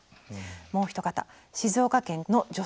もうお一方静岡県の女性。